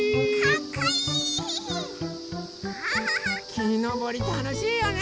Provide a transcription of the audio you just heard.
きのぼりたのしいよね！